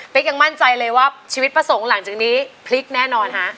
เป็นยังมั่นใจเลยว่าชีวิตประสงค์หลังจากนี้พลิกแน่นอนฮะ